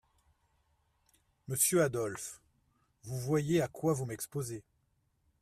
Monsieur Adolphe, vous voyez à quoi vous m’exposez…